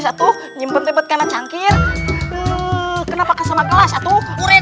satu nyempet nyempet karena cangkir kenapa kesama kelas satu uret